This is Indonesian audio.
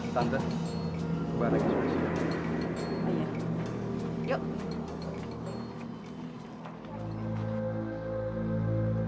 tante gue anaknya sudah siap